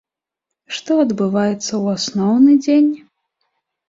Што адбываецца ў асноўны дзень?